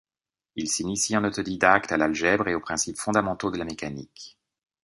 Il s'initie en autodidacte à l'algèbre et aux principes fondamentaux de la mécanique.